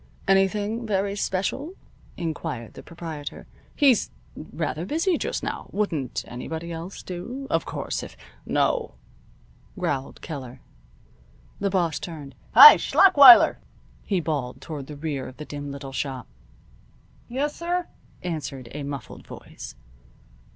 "Anything very special?" inquired the proprietor. "He's rather busy just now. Wouldn't anybody else do? Of course, if " "No," growled Keller. The boss turned. "Hi! Schlachweiler!" he bawled toward the rear of the dim little shop. "Yessir," answered a muffled voice.